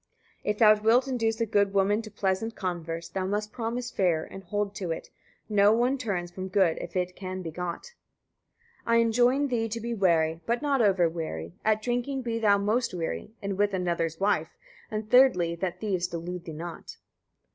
132. If thou wilt induce a good woman to pleasant converse, thou must promise fair, and hold to it: no one turns from good if it can be got. 133. I enjoin thee to be wary, but not over wary; at drinking be thou most wary, and with another's wife; and thirdly, that thieves delude thee not.